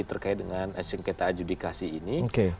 terkait dengan asing kata adjudikasi ini